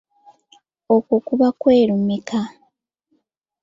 Okwo kuba kwerumika.